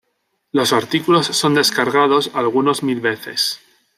Los artículos son descargados algunos mil veces.